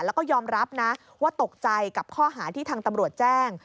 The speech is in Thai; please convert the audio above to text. แล้วก็ยอมรับนะว่าตกใจกับข้อหาที่ทางตำรวจแจ้ง